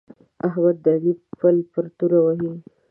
احمد د علي پل پر توره وهي.